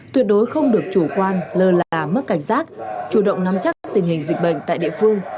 tuyệt đối không được chủ quan lơ là mất cảnh giác chủ động nắm chắc tình hình dịch bệnh tại địa phương